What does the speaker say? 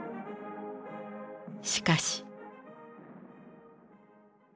しかし。